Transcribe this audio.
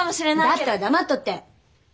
だったら黙っとって。